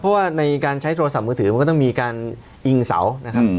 เพราะว่าในการใช้โทรศัพท์มือถือมันก็ต้องมีการอิงเสานะครับ